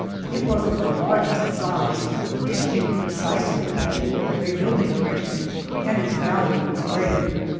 It was of the largest size, and shaped precisely like an ordinary building brick, and its value was great.